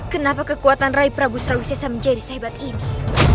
kenapa kekuatan raih prabu sarawis sesa menjadi sahibat ini